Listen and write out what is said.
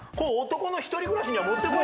男の１人暮らしにはもってこ